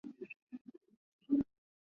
会发生什么事情？